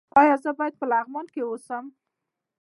ایا زه باید په لغمان کې اوسم؟